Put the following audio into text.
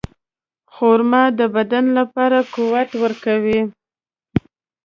خرما د بدن لپاره قوت ورکوي.